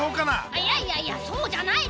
いやいやいやそうじゃないラッカ。